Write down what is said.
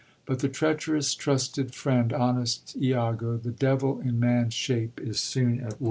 But the treacherous, trusted friend, honest lago," the devil in man's shape, is soon at work